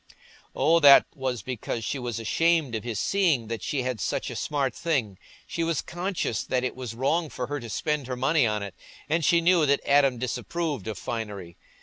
Oh, that was because she was ashamed of his seeing that she had such a smart thing—she was conscious that it was wrong for her to spend her money on it, and she knew that Adam disapproved of finery.